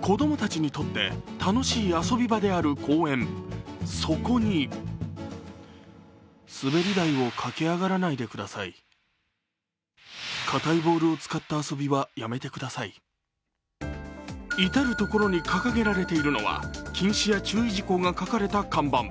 子供たちにとって楽しい遊び場である公園、そこに至る所に掲げられているのは禁止や注意事項が書かれた看板。